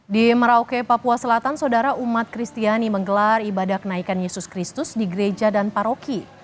di merauke papua selatan saudara umat kristiani menggelar ibadah kenaikan yesus kristus di gereja dan paroki